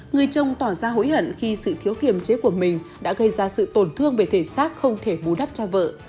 người trông tỏ ra hối hận khi sự thiếu kiềm chế của mình đã gây ra sự tổn thương về thể xác không thể bù đắp cho vợ